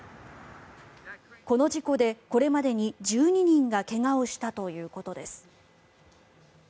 この事故でこれまでに１２人が怪我をしたということです。